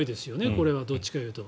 これはどちらかというと。